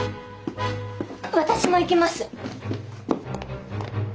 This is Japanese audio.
私も行きます。